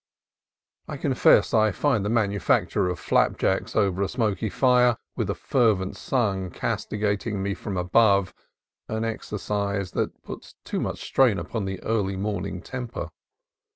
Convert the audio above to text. I con fess I find the manufacture of flapjacks over a smoky fire, with a fervent sun castigating me from above, an exercise that puts too much strain upon the early morning temper.